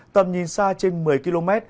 tầm nhìn xa trên một mươi km